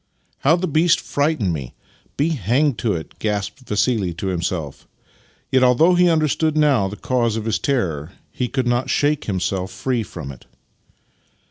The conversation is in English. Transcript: " How the beast frightened me, be hanged to it! " gasped Vassili to himself. Yet, although he under stood now the cause of his terror, he could not shake himself free from it.